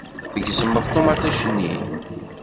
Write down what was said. Tgezmeḍ ṭumaṭic-nni.